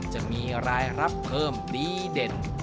จะมีรายรับเพิ่มดีเด่น